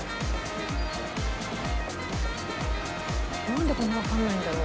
なんでこんなわかんないんだろう？